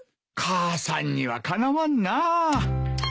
母さんにはかなわんなあ。